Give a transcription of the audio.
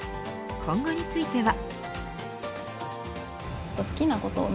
今後については。